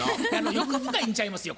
欲深いんちゃいますよ。